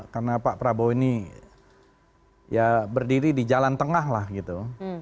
karena pak prabowo ini ya berdiri di jalan tengah lah gitu